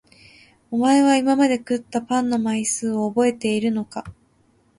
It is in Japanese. お前は今まで食ったパンの枚数を覚えているのか？